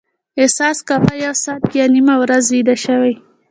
احساس کاوه یو ساعت یا نیمه ورځ ویده شوي.